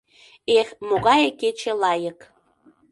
Эх, могае кече лайык.